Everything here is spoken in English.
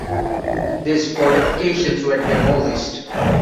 These fortifications were demolished.